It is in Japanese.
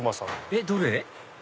えっどれ？